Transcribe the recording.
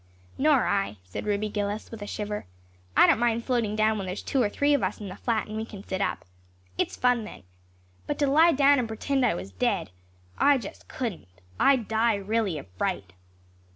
"Nor I," said Ruby Gillis, with a shiver. "I don't mind floating down when there's two or three of us in the flat and we can sit up. It's fun then. But to lie down and pretend I was dead I just couldn't. I'd die really of fright."